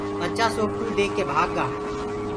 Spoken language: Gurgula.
ڀچآ سوپٽوُ ديک ڪي ڀآگ گآ۔